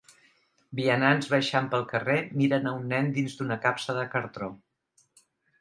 Vianants baixant pel carrer miren a un nen dins d'una capsa de cartó